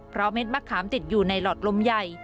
เพราะเม็ดมะขามติดอยู่ในหลอดลมใหญ่